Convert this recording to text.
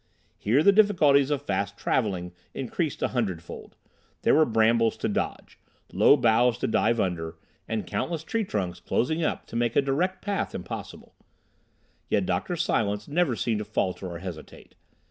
Here the difficulties of fast travelling increased a hundredfold. There were brambles to dodge, low boughs to dive under, and countless tree trunks closing up to make a direct path impossible. Yet Dr. Silence never seemed to falter or hesitate.